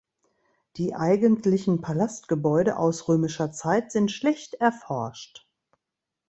Die eigentlichen Palastgebäude aus römischer Zeit sind schlecht erforscht.